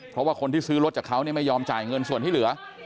เพราะว่าคนที่ซื้อรถจากเขาไม่ยอมจ่ายเงินส่วนที่เหลือ